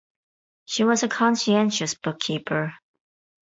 She was a conscientious bookkeeper.